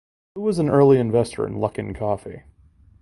Lu was an early investor in Luckin Coffee.